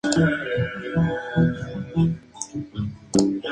Pintores, dibujantes y escultores populares de Cuba"".